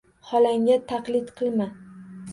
Xolangga taqlid qilma